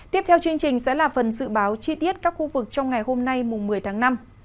tiếp theo chương trình sẽ là phần dự báo chi tiết các khu vực trong ngày hôm nay mùng một mươi tháng năm